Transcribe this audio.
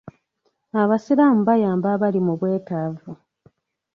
Abasiraamu bayamba abali mu bwetaavu.